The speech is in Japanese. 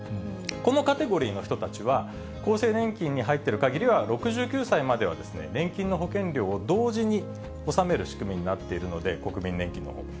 このカテゴリーの人たちは、厚生年金に入っているかぎりは、６９歳までは年金の保険料を同時に納める仕組みになっているので、国民年金のほうも。